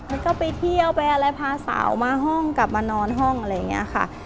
แล้วก็ไปเที่ยวไปอะไรพาสาวมาห้องกลับมานอนห้องอะไรอย่างนี้ค่ะ